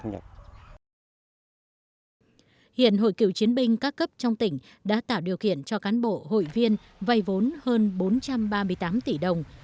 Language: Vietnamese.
hiện hội cựu chiến binh các cấp trong tỉnh đã tạo điều kiện cho cán bộ hội viên vây vốn hơn bốn trăm ba mươi tám tỷ đồng